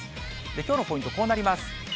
きょうのポイント、こうなります。